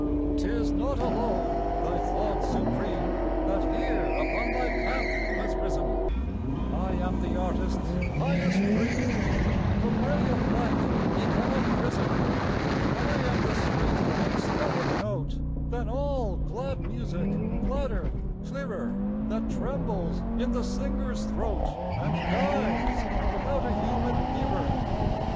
"'Tis not alone thy thought supreme That here upon thy path has risen; I am the artist's highest dream, The ray of light he cannot prison. I am the sweet ecstatic note Than all glad music gladder, clearer, That trembles in the singer's throat, And dies without a human hearer.